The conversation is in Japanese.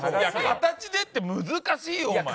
形でって難しいよお前。